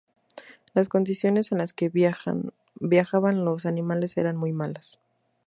Las condiciones en las que viajaban los animales eran muy malas.